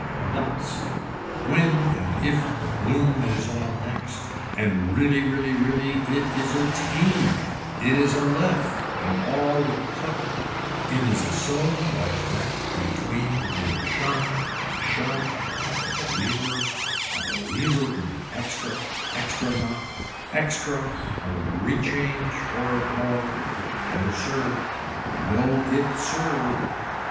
Nuts, when and if the bloom is on next and really really really, it is a team, it is a left and all it cut, it is a so like that between and a shun a shun with a believer, a believer in the extra, extra not, extra a rechange for it more. No sir. No it sir.